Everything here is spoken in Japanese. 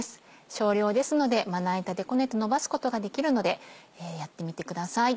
少量ですのでまな板でこねてのばすことができるのでやってみてください。